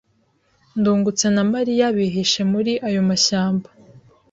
Ndungutse na Mariya bihishe muri ayo mashyamba.